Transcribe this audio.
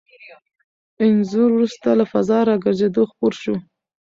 انځور وروسته له فضا راګرځېدو خپور شو.